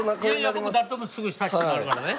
僕誰ともすぐ親しくなるからね。